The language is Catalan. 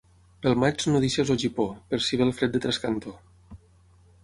Pel maig no deixis el gipó, per si ve el fred de trascantó.